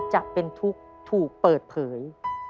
จะเป็นทุกข์ถูกเปิดเผย